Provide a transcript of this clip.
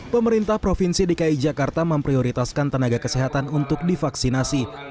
pemerintah provinsi dki jakarta memprioritaskan tenaga kesehatan untuk divaksinasi